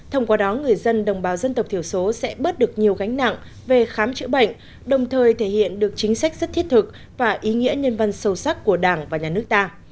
thông qua đó người dân đồng bào dân tộc thiểu số sẽ bớt được nhiều gánh nặng về khám chữa bệnh đồng thời thể hiện được chính sách rất thiết thực và ý nghĩa nhân văn sâu sắc của đảng và nhà nước ta